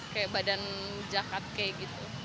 kayak badan jakat kayak gitu